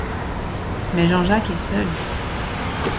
Mais Jean-Jacques est seul.